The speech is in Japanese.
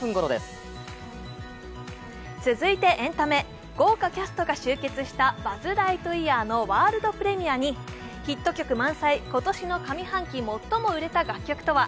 続いてエンタメ、豪華キャストが集結した「バズ・ライトイヤー」のワールドプレミアに今年の上半期、最も売れた楽曲とは？